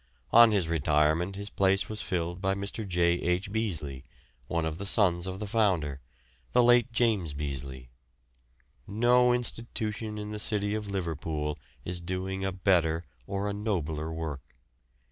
On his retirement his place was filled by Mr. J. H. Beazley, one of the sons of the founder, the late James Beazley. No institution in the city of Liverpool is doing a better or a nobler work.